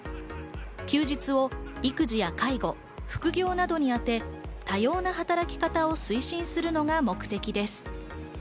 休日を育児や介護、副業などにあて多様な働き方を推進するのが目的です。